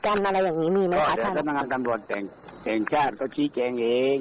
อายุแหงงมันคนากทำงานแห่งชาติก็มองเจ๋งแจ๊งเอง